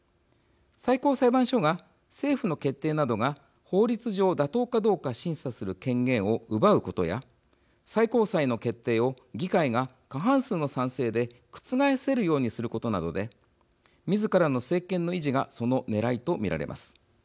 最高裁判所が政府の決定などが法律上妥当かどうか審査する権限を奪うことや最高裁の決定を議会が過半数の賛成で覆せるようにすることなどで自らの政権の維持がそのねらいと見られます。